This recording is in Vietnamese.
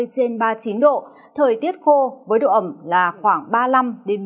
thời tiết khô với độ ẩm là khoảng ba mươi năm đến bốn mươi